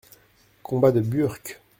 Combat de Burk.